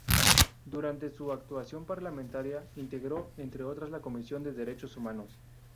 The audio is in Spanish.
Durante su actuación parlamentaria integró, entre otras, la Comisión de Derechos Humanos.